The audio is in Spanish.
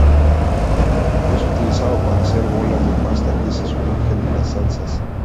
Es utilizado para hacer bolas de pasta que se sumergen en las salsas.